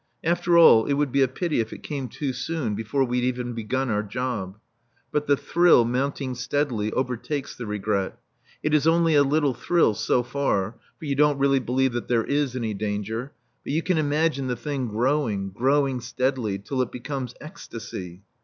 "After all, it would be a pity if it came too soon, before we'd even begun our job." But the thrill, mounting steadily, overtakes the regret. It is only a little thrill, so far (for you don't really believe that there is any danger), but you can imagine the thing growing, growing steadily, till it becomes ecstasy.